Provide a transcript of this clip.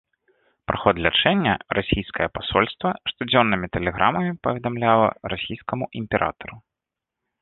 Пра ход лячэння расійскае пасольства штодзённымі тэлеграмамі паведамляла расійскаму імператару.